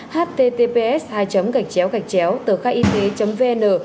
https hai gạch chéo gạch chéo tờ khai y tế vn